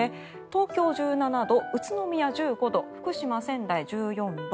東京、１７度、宇都宮、１５度福島、仙台１４度。